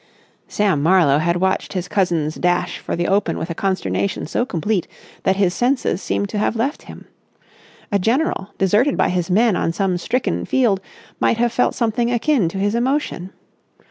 Sam Marlowe had watched his cousin's dash for the open with a consternation so complete that his senses seemed to have left him. A general, deserted by his men on some stricken field, might have felt something akin to his emotion.